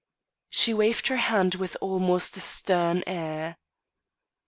She waved her hand with almost a stern air.